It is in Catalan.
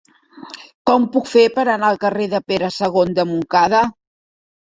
Com ho puc fer per anar al carrer de Pere II de Montcada?